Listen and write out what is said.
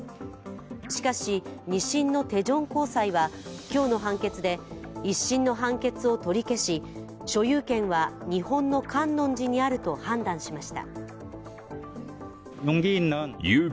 しかし２審のテジョン高裁は今日の判決で、１審の判決を取り消し所有権は日本の観音寺にあると判断しました。